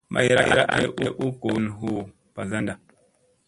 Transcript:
Mayra an ay u goo tan huu mbazanda.